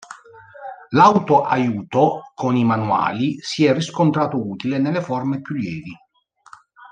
L’auto-aiuto con i manuali, si è riscontrato utile nelle forme più lievi.